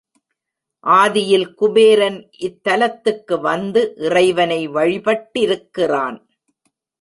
ஆதியில் குபேரன் இத்தலத்துக்கு வந்து இறைவனை வழிபட்டிருக்கிறான்.